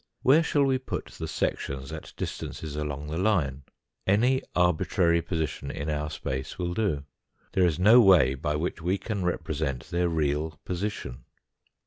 Where shall we put the sections at distances along the line ? Any arbitrary position in our space will do : there is no way by which we can represent their real position.